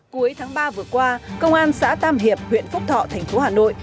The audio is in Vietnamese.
cuối tháng ba vừa qua công an xã tam hiệp huyện phúc thọ thành phố hà nội